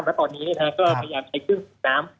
แล้วตอนนี้เนี่ยนะครับก็พยายามใช้ครึ่งสูงน้ำ